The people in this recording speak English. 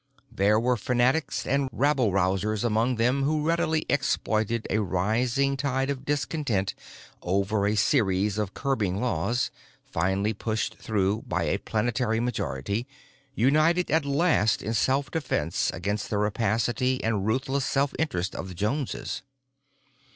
There were fanatics and rabble rousers among them who readily exploited a rising tide of discontent over a series of curbing laws, finally pushed through by a planetary majority, united at last in self defense against the rapacity and ruthless self interest of the Joneses.